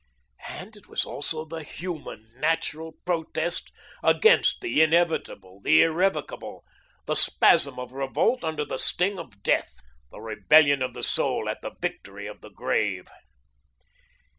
And it was also the human, natural protest against the inevitable, the irrevocable; the spasm of revolt under the sting of death, the rebellion of the soul at the victory of the grave.